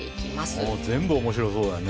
全部面白そうだね。